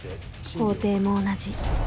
法廷も同じ。